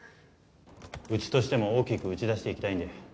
うちとしても大きく打ち出していきたいんで。